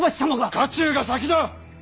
家中が先だ。